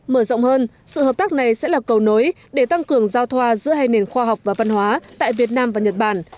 mở rộng hơn sự hợp tác này sẽ là cầu nối để tăng cường giao thoa giữa hai nền khoa học và văn hóa tại việt nam và nhật bản